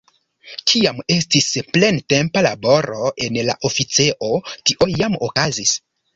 Kiam estis plentempa laboro en la oficejo, tio jam okazis.